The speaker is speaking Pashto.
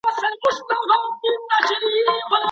ایا واړه پلورونکي وچ توت صادروي؟